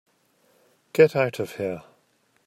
Get out of here.